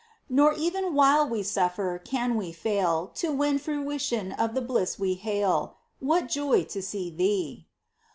Nor even while we sufíer, can we fail To win fruition of the bliss we hail — What joy to see Thee